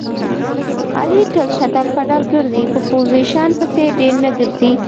علي تل شډل بډل ګرځي. په پوزیشن پسې ډېر نه ګرځي.